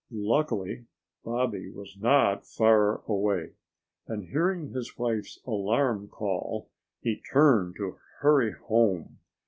Luckily Bobby was not far away. And hearing his wife's alarm call, he turned to hurry home.